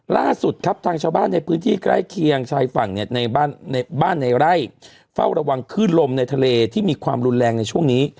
ล่าสุดครับทางชาวบ้านในพื้นที่ใกล้เคียงชายฝั่งเนี่ยในบ้านในบ้านในไร่เฝ้าระวังขึ้นลมในทะเลที่มีความรุนแรงในช่วงนี้